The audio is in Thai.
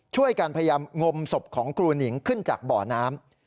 ช่วยการพยายามงมสบของครูนิ่งขึ้นจากเบาะน้ำ